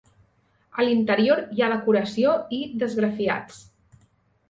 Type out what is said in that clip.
A l'interior hi ha decoració i d'esgrafiats.